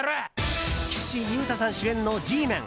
岸優太さん主演の「Ｇメン」。